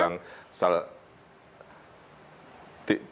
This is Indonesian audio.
saya tidak bisa mengatakan